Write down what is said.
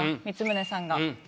光宗さんが。